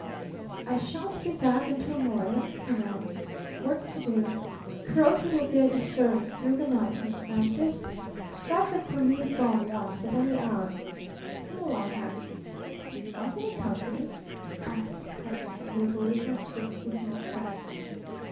"I shan't be back until morning," he announced. "Work to do. Kuroki will be at your service through the night, Miss Frances. Strike that Burmese gong once, at any hour. Come along, Harrison." "Want any company?" asked Harrison, with a belligerent twist to his moustache.